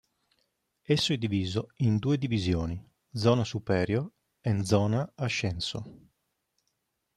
Esso è diviso in due divisioni: Zona Superior and Zona Ascenso.